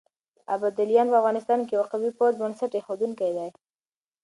ابداليان په افغانستان کې د يوه قوي پوځ بنسټ اېښودونکي دي.